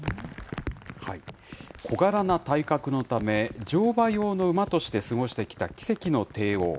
小柄な体格のため、乗馬用の馬として過ごしてきたキセキノテイオー。